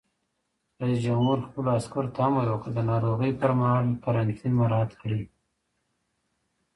رئیس جمهور خپلو عسکرو ته امر وکړ؛ د ناروغۍ پر مهال قرنطین مراعات کړئ!